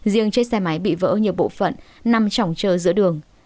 riêng chiếc xe máy bị vỡ nhiều bộ phận nằm trỏng trơ giữa đường